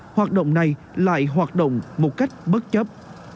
hoạt động này lại hoạt động một cách bất chấp